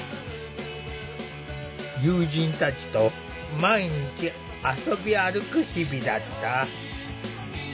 友人たちと毎日遊び歩く日々だった。